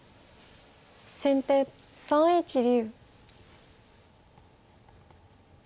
先手３一竜。